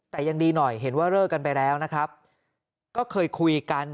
แต่ยังดีหน่อยเห็นว่าเลิกกันไปแล้วนะครับก็เคยคุยกัน